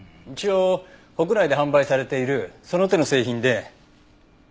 一応国内で販売されているその手の製品で。